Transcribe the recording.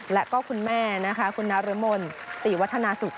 และก็คุณแม่นะคะคุณนรมนติวัฒนาสุข